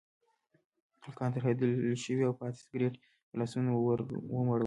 هلکان ترهېدلي شول او پاتې سګرټ یې په لاسونو کې ومروړل.